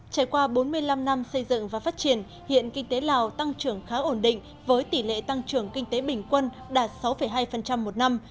trải qua bốn mươi năm năm xây dựng và phát triển hiện kinh tế lào tăng trưởng khá ổn định với tỷ lệ tăng trưởng kinh tế bình quân đạt sáu hai một năm